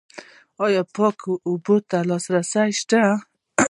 آیا پاکو اوبو ته لاسرسی شته؟